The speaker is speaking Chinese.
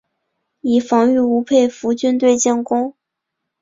以防御吴佩孚军队进攻。